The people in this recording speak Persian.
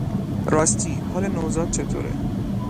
راستی حال نوزاد چطوره؟